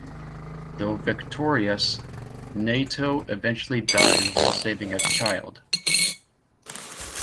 Though victorious, Naoto eventually dies while saving a child.